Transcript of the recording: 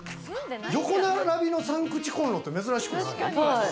横並びの３口コンロって珍しくない？